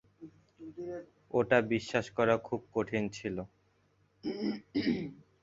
ওটা বিশ্বাস করা খুব কঠিন ছিল।